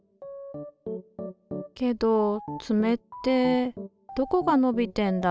けどつめってどこが伸びてんだろ？